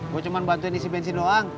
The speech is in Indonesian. gue cuma bantuan isi bensin doang